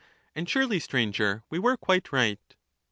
And surely, Stranger, we were quite right.